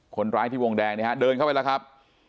คนร้ายที่วงแดงเนี่ยฮะเดินเข้าไปแล้วครับ